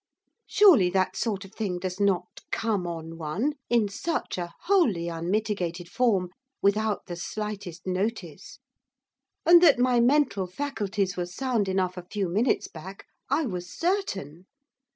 Surely that sort of thing does not come on one in such a wholly unmitigated form! without the slightest notice, and that my mental faculties were sound enough a few minutes back I was certain.